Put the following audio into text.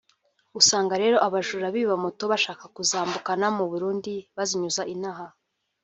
usanga rero abajura biba Moto bashaka kuzambukana mu Burundi bazinyuza inaha